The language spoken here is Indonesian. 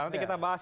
nanti kita bahas